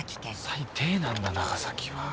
最低なんだ長崎は。